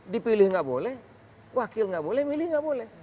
dipilih tidak boleh wakil tidak boleh milih tidak boleh